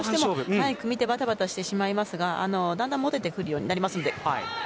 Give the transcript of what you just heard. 組み手バタバタしてしまいますがだんだん持ててくるようになりますので。